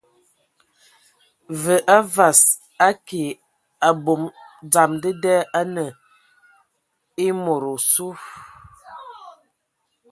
Və a vas, a ki ! Abom dzam dəda anə e mod osu.